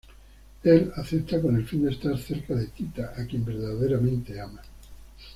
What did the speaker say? Él acepta con el fin de estar cerca de Tita, a quien verdaderamente ama.